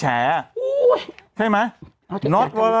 เจี๊ยบมาค่ะ